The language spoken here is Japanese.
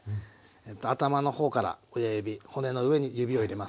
えと頭の方から親指骨の上に指を入れます。